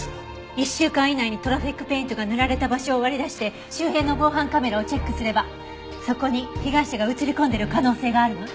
１週間以内にトラフィックペイントが塗られた場所を割り出して周辺の防犯カメラをチェックすればそこに被害者が映り込んでる可能性があるわ。